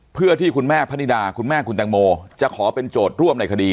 เพื่อที่คุณแม่พนิดาคุณแม่คุณแตงโมจะขอเป็นโจทย์ร่วมในคดี